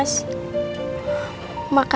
makasih banyak ya